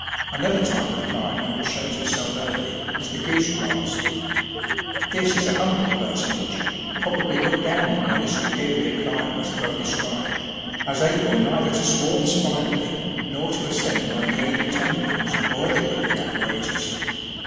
Another type of climber which shows itself early is the goose grass. {58b} This is a humble personage, probably looked down on by the superior climbers above described, as able neither to swarm spirally nor to ascend by the aid of tendrils or other gripping apparatus.